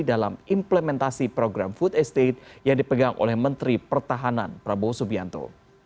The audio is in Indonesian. dalam implementasi program food estate yang dipegang oleh menteri pertahanan prabowo subianto